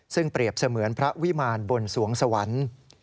ซึ่งเปรียบเสมือนพระวิมารบนสวงสวรรค์